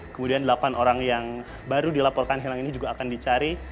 kemudian delapan orang yang baru dilaporkan hilang ini juga akan dicari